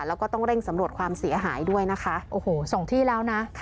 แล้วก็ต้องเร่งสำรวจความเสียหายด้วยนะคะโอ้โหสองที่แล้วนะ